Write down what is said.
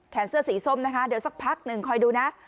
เสื้อสีส้มนะคะเดี๋ยวสักพักหนึ่งคอยดูนะ